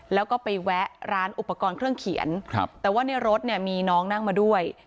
แล้วก็ไปแวะร้านอุปกรณ์เครื่องเขียนครับแต่ว่าในรถเนี่ยมีน้องนั่งมาด้วย